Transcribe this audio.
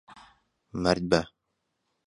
مەرد بە.